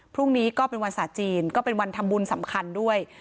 พรุ่งนี้ก็เป็นวันศาสตร์จีนก็เป็นวันทำบุญสำคัญด้วย